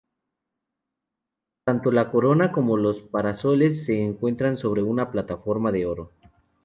Tanto la corona como los parasoles se encuentran sobre una plataforma de oro.